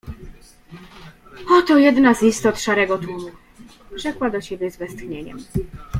— Oto jedna z istot szarego tłumu — rzekła do siebie z westchnieniem.